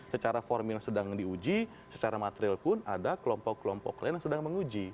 secara formil sedang diuji secara material pun ada kelompok kelompok lain yang sedang menguji